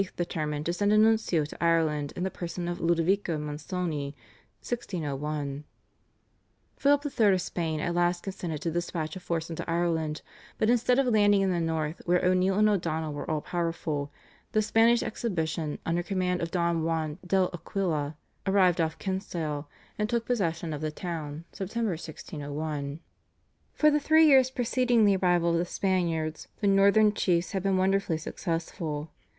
determined to send a nuncio to Ireland in the person of Ludovico Mansoni (1601). Philip III. of Spain at last consented to dispatch a force into Ireland, but instead of landing in the North where O'Neill and O'Donnell were all powerful, the Spanish exhibition under command of Don Juan del Aquila arrived off Kinsale, and took possession of the town (Sept. 1601). For the three years preceding the arrival of the Spaniards the Northern chiefs had been wonderfully successful.